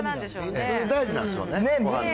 めんつゆ大事なんでしょうね。